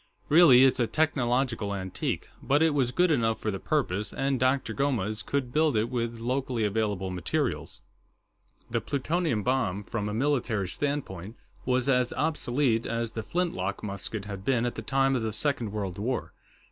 "Really, it's a technological antique, but it was good enough for the purpose, and Dr. Gomes could build it with locally available materials...." That was the crux of it. The plutonium bomb, from a military standpoint, was as obsolete as the flintlock musket had been at the time of the Second World War.